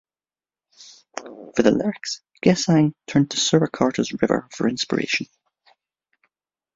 For the lyrics, Gesang turned to Surakarta's river for inspiration.